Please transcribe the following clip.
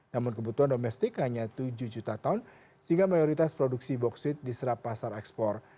namun kebutuhan domestik hanya tujuh juta ton sehingga mayoritas produksi boksit diserap pasar ekspor